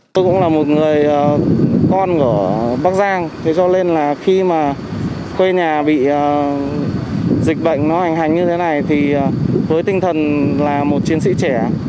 tôi cũng là một người con của bắc giang thế cho nên là khi mà quê nhà bị dịch bệnh nó hoành hành như thế này thì với tinh thần là một chiến sĩ trẻ